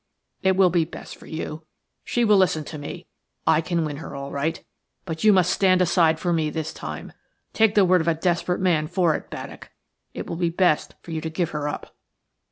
It will be best for you. She will listen to me–I can win her all right–but you must stand aside for me this time. Take the word of a desperate man for it, Baddock. It will be best for you to give her up."